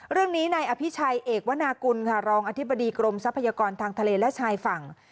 เรื่องนี้นายอภิชัยเอกวนากุลค่ะรองอธิบดีกรมทรัพยากรทางทะเลและชายฝั่ง